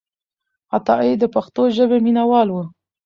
عطایي د پښتو ژبې مینهوال و.